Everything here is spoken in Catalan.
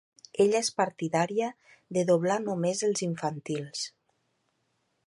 Ella és partidària de doblar només els infantils.